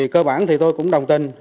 cơ bản tôi cũng đồng tình